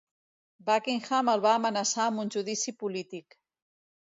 Buckingham el va amenaçar amb un judici polític.